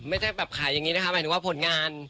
ไม่ใช่แบบขายอย่างนี้นะคะหมายถึงว่าผลงาน